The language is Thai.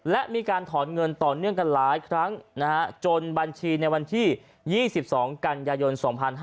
และมีการถอนเงินต่อเนื่องกันหลายครั้งจนบัญชีในวันที่๒๒กันยายน๒๕๕๙